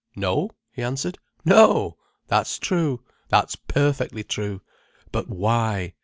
"No," he answered. "No! That's true. That's perfectly true. But why?